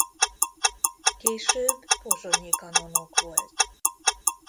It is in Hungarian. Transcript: Később pozsonyi kanonok volt.